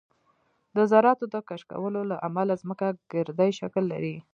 د ذراتو د کشکولو له امله ځمکه ګردی شکل لري